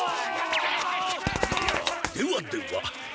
ではでは！